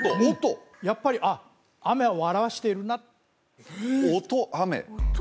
やっぱりあっ雨を表しているな音雨音？